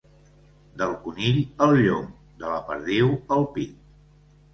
Del conill, el llom; de la perdiu, el pit.